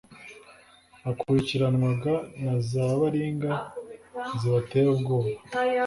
bakurikiranwaga na za baringa zibatera ubwoba